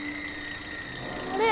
あれ？